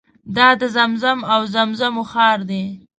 دا د زمزم او زمزمو ښار دی.